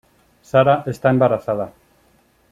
Sara está embarazada.